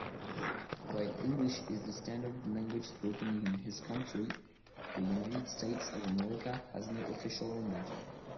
While English is the standard language spoken in his country, the United States of America has no official language.